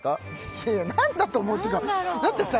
いやいや何だと思うっていうかだってさ